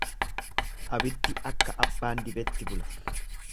Abiddi akka abbaan dibetti bula.